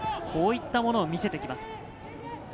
こういったものを見せてきます。